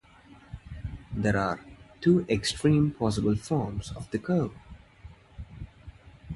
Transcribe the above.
There are two extreme possible forms of the curve.